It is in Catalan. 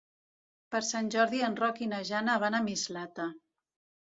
Per Sant Jordi en Roc i na Jana van a Mislata.